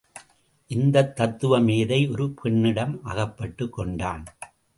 இந்தத் தத்துவ மேதை ஒரு பெண்ணிடம் அகப்பட்டுக் கொண்டான்.